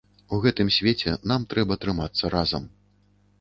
У гэтым свеце нам трэба трымацца разам.